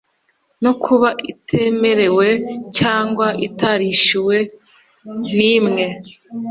no kuba itaremewe cyangwa itarishyuwe nimwe